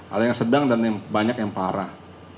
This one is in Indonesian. ada yang sedang dan banyak yang parah